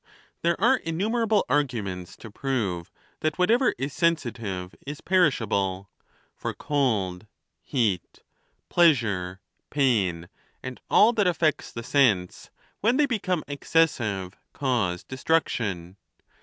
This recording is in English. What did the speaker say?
There are innu merable arguments to prove that whatever is sensitive is perishable ; for cold, heat, pleasure, pain, and all that af fects the sense, when they become excessive, cause de struction.